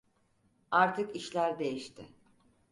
Artık işler değişti.